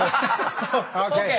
ＯＫ。